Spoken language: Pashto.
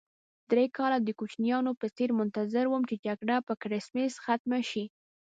درې کاله د کوچنیانو په څېر منتظر وم چې جګړه په کرېسمس ختمه شي.